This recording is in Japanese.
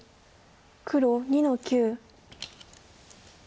黒２の九。